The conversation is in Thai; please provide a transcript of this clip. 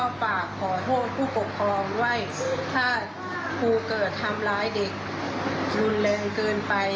ฝากขอโทษผู้ปกครองว่าถ้าครูเกิดทำร้ายเด็กรุนแรงเกินไป